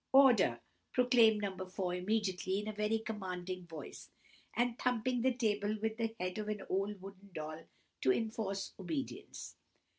"Order!" proclaimed No. 4 immediately, in a very commanding voice, and thumping the table with the head of an old wooden doll to enforce obedience.